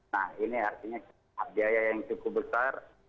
nah ini artinya biaya yang cukup besar